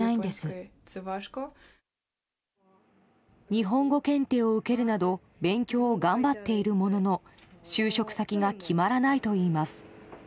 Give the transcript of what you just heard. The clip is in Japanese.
日本語検定を受けるなど勉強を頑張っているものの就職先が決まらないといいます。